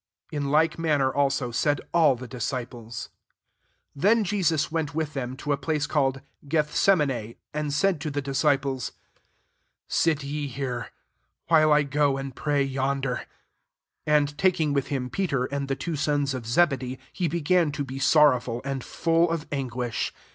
In like manner also, said all the disciples. S^ Then Jesus went with them to a place called Gethse mui6, and sidd tcrthe diaeiplef^ " Sit ye here, while i go uid pray yonder." 37 And taking with him Peter, and the two sons of Zebedee, he began to be sor rowful, and full of anguish.